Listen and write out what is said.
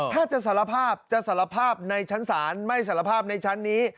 ถ้าจะสารภาพจะสารภาพในชั้นศาลไม่สารภาพในชั้นนี้